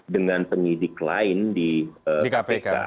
dengan penyidik lain di kpk